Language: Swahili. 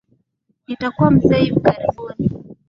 Nitakuwa mzee hivi karibuni